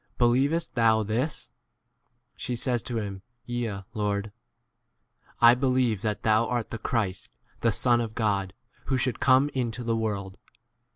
Be 27 lievest thou this ? She says to him, Yea, Lord ; I • believe that thou' art the Christ, the Son of God, who should come into the 28 world.